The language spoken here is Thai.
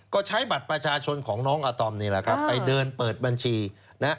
ก็ใช้บัตรประชาชนของน้องอาตอมนี่แหละครับไปเดินเปิดบัญชีนะฮะ